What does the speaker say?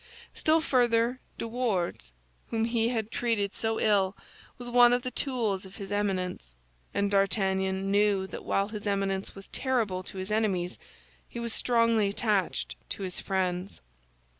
Still further, De Wardes, whom he had treated so ill, was one of the tools of his Eminence; and D'Artagnan knew that while his Eminence was terrible to his enemies, he was strongly attached to his friends.